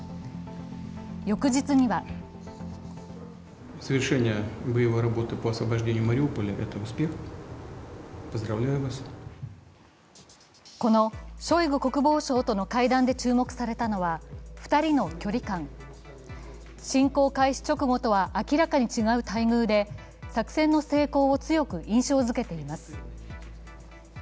翌日にはこのショイグ国防相との会談で注目されたのは２人の距離感侵攻開始直後とは明らかに違う待遇で作戦の成功を強く印象づけています。